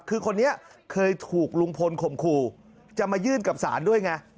คือคนนี้เคยถูกลุงพลข่มขู่จะมายื่นกับศาลด้วยไง